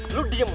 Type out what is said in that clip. lo dianggap apa